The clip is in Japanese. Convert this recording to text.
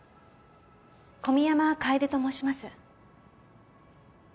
小宮山楓と申します。